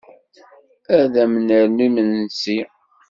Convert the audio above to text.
Ad m-nernu imesnsi?